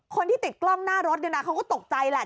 คนที่ติดกล้องหน้ารถเขาก็ตกใจแหละ